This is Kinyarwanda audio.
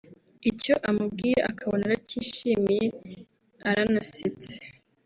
icyo amubwiye akabona arakishimiye aranasetse